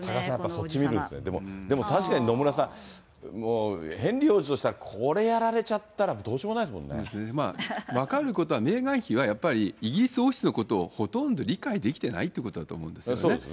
でも確かに野村さん、ヘンリー王子としたら、これやられちゃったら、分かることは、メーガン妃はやっぱりイギリス王室のことをほとんど理解できてないっていうことだと思うんですよね。